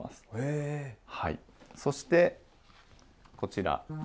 そしてこちら。